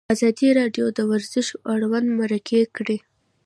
ازادي راډیو د ورزش اړوند مرکې کړي.